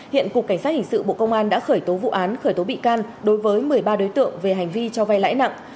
hiện cục cảnh sát hình sự bộ công an đã khởi tố vụ án khởi tố bị can đối với một mươi ba đối tượng về hành vi cho vay lãi nặng